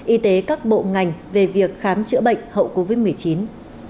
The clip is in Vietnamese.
y tế các bộ ngành về việc khám chữa bệnh hậu covid một mươi chín